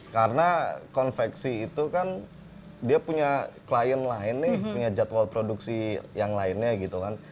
karena konveksi itu kan dia punya klien lain nih punya jadwal produksi yang lainnya gitu kan